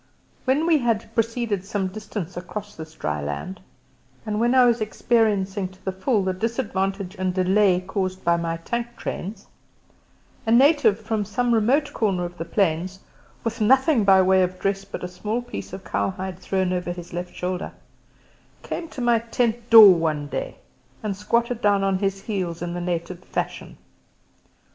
When we had proceeded some distance across this dry land, and when I was experiencing to the full the disadvantage and delay caused by my tank trains, a native from some remote corner of the plains with nothing by way of dress but a small piece of cowhide thrown over his left shoulder came to my tent door one day and squatted down on his heels in the native fashion.